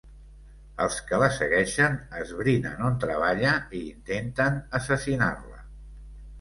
Els que la segueixen esbrinen on treballa i intenten assassinar-la.